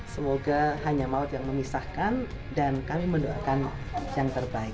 semoga hanya maut yang memisahkan dan kami mendoakan yang terbaik